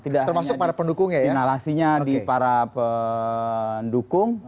tidak hanya di nalasinya di para pendukung